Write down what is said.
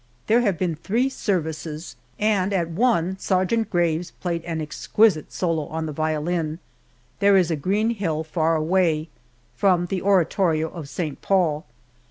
There have been three services, and at one Sergeant Graves played an exquisite solo on the violin, "There is a green hill far away," from the oratorio of St. Paul.